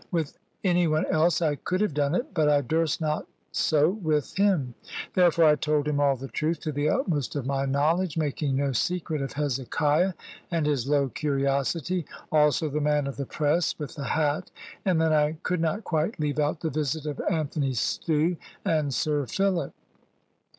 With any one else I could have done it, but I durst not so with him. Therefore I told him all the truth, to the utmost of my knowledge, making no secret of Hezekiah, and his low curiosity; also the man of the press with the hat; and then I could not quite leave out the visit of Anthony Stew and Sir Philip.